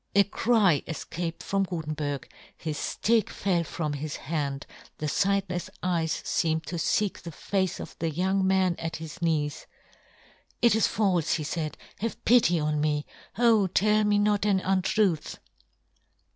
A cry efcaped from Gutenberg ; his ftick fell from his hand ; the iightlefs eyes feemed to feek the face of the young man at his knees. " It " is falfe," he faid ;" have pity on " me — O tell me not an untruth